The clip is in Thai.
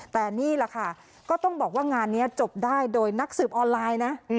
แต่นี่แหละค่ะก็ต้องบอกว่างานนี้จบได้โดยนักสืบออนไลน์นะ